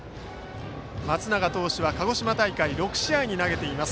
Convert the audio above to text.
松永投手は鹿児島大会６試合に投げています。